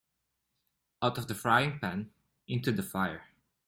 Out of the frying-pan into the fire.